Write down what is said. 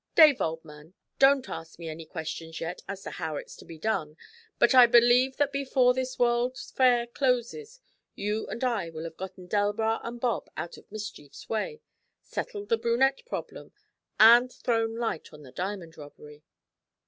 'Dave, old man, don't ask me any questions yet as to how it's to be done, but I believe that before this World's Fair closes you and I will have gotten Delbras and Bob out of mischief's way, settled the brunette problem, and thrown light on the diamond robbery.'